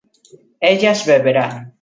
ellas beberán